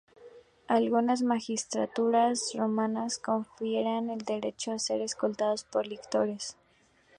Algunas magistraturas romanas conferían el derecho a ser escoltados por los lictores.